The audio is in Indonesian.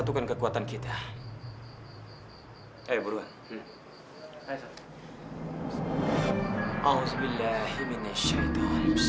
tolong aku tak mau mandas